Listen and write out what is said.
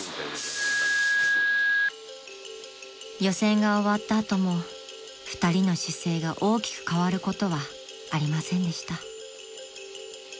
［予選が終わった後も２人の姿勢が大きく変わることはありませんでした］